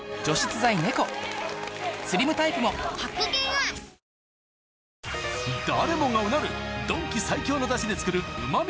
抗菌誰もがうなるドンキ最強のダシで作るうま味